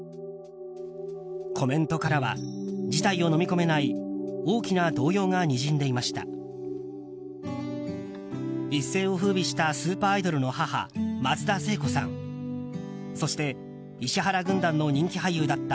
コメントからは事態をのみ込めない大きな動揺がにじんでいました。